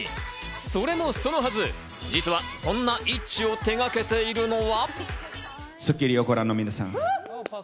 それもそのはず、実はそんなＩＴＺＹを手がけているのは。